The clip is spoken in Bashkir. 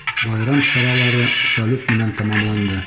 Байрам саралары салют менән тамамланды.